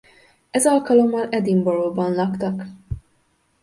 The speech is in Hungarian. Ez alkalommal Edinburgh-ban laktak.